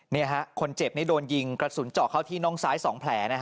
นี่ค่ะคนเจ็บโดนยิงกระสุนเจาะเข้าที่น้องซ้าย๒แผล